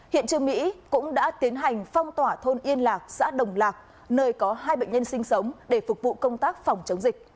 hiện trường mỹ cũng đã tiến hành phong tỏa thôn yên lạc xã đồng lạc nơi có hai bệnh nhân sinh sống để phục vụ công tác phòng chống dịch